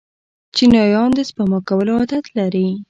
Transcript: چینایان د سپما کولو عادت لري.